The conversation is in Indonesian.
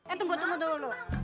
eh tunggu tunggu dulu